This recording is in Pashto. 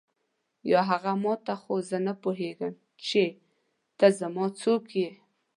یا هغه ما ته خو زه نه پوهېږم چې ته زما څوک یې.